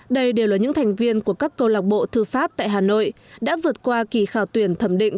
đây đều là những thành viên của các câu lạc bộ thư pháp tại hà nội đã vượt qua kỳ khảo tuyển thẩm định